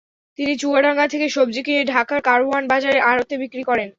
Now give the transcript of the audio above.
তিনি চুয়াডাঙ্গা থেকে সবজি কিনে ঢাকার কারওয়ান বাজারের আড়তে বিক্রি করেন।